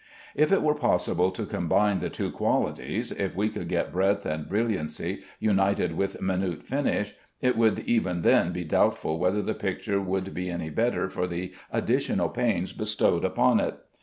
If it were possible to combine the two qualities, if we could get breadth and brilliancy united with minute finish, it would even then be doubtful whether the picture would be any the better for the additional pains bestowed upon it.